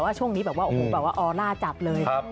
ว่าช่วงนี้อาราจับเลย